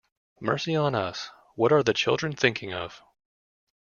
Mercy on us, what are the children thinking of?